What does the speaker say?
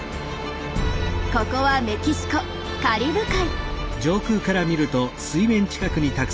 ここはメキシコカリブ海。